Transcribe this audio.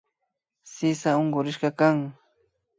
Sisa unkurishkakan